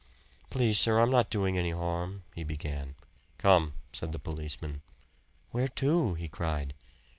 "Please, sir, I'm not doing any harm," he began. "Come," said the policeman. "Where to?" he cried.